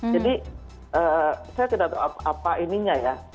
jadi saya tidak tahu apa ininya ya